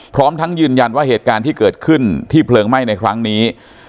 พร้อมทั้งยืนยันว่าเหตุการณ์ที่เกิดขึ้นที่เพลิงไหม้ในครั้งนี้